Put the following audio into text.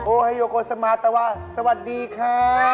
โอเฮโยโกสมาเเตาะสวัสดีค่ะ